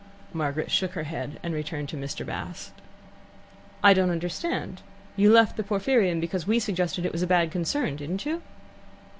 Margaret shook her head and returned to Mr. Bast. "I don't understand. You left the Porphyrion because we suggested it was a bad concern, didn't you?"